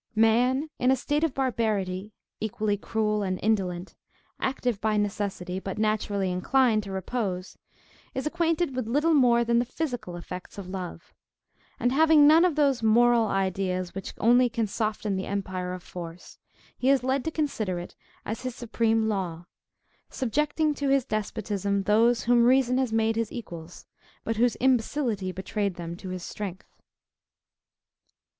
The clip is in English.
Man, in a state of barbarity, equally cruel and indolent, active by necessity, but naturally inclined to repose, is acquainted with little more than the physical effects of love; and having none of those moral ideas which only can soften the empire of force, he is led to consider it as his supreme law, subjecting to his despotism those whom reason had made his equals, but whose imbecility betrayed them to his strength.